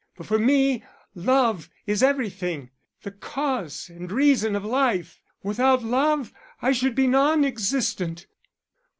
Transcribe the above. But for me love is everything, the cause and reason of life. Without love I should be non existent."